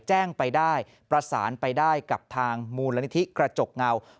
แจ้งไปได้ประสานไปได้กับทางมูลนิธิกระจกเงา